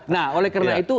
nah oleh karena itu